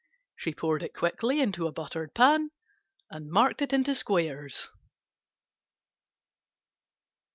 She poured it quickly into a buttered pan and marked in squares.